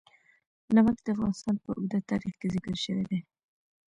نمک د افغانستان په اوږده تاریخ کې ذکر شوی دی.